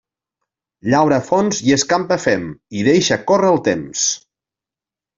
Llaura fons i escampa fem, i deixa córrer el temps.